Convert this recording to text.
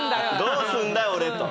どうすんだ俺と。